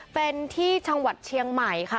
เป็นที่จังหวัดเชียงใหม่ค่ะ